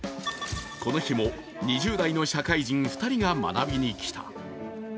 この日も２０代の社会人２人が学びにきた。